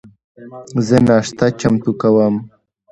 زه ناشته چمتو کوم